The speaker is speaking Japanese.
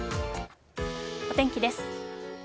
お天気です。